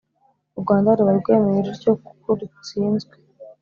u rwanda ruba rwemeye rutyo ku rutsinzwe,